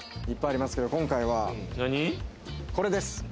いっぱいありますけれど、今回はこれです。